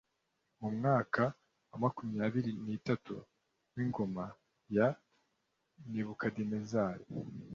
mu mwaka wa makumyabiri n’itatu w’ingoma ya nebukadinezari